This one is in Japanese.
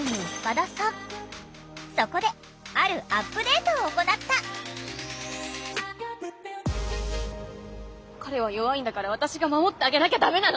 そこであるアップデートを行った彼は弱いんだから私が守ってあげなきゃダメなの。